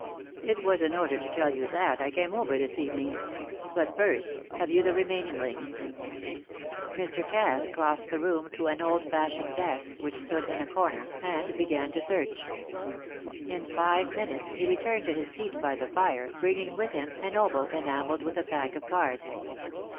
It was in order to tell you that I came over this evening. But first, have you the remaining links?" Mr. Cass crossed the room to an old fashioned desk which stood in a corner, and began to search. In five minutes he returned to his seat by the fire, bringing with him an oval enamelled with a pack of cards.